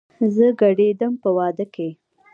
زه ګډېدم په وادۀ کې